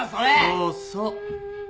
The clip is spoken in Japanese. ・そうそう。